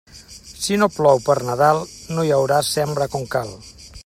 Si no plou per Nadal, no hi haurà sembra com cal.